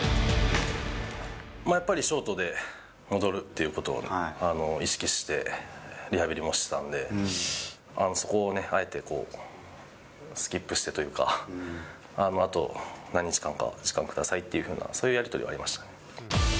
やっぱりショートで戻るっていうことをね、意識して、リハビリもしてたんで、そこをあえてスキップしてというか、あと何日間か、時間くださいっていうふうな、そういうやり取りはありましたね。